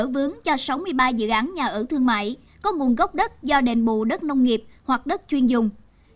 vướng cho sáu mươi ba dự án nhà ở thương mại có nguồn gốc đất do đền bù đất nông nghiệp hoặc đất chuyên dùng